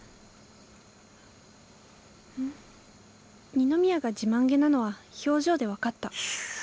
二宮が自慢気なのは表情で分かった。